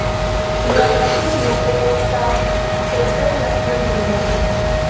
Mia fratino estas tre bela knabino.